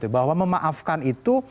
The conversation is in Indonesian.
bahwa memaafkan itu